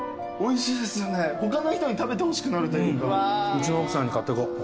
うちの奥さんに買ってこう。